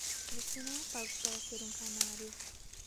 Você não é pago para ser um canário.